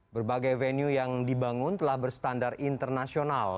berbagai venue yang dibangun telah berstandar internasional